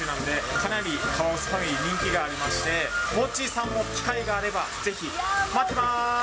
かなりカワウソファミリー、人気がありまして、モッチーさんも機会があればぜひ、待ってます。